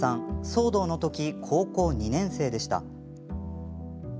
騒動のとき、高校２年生でした。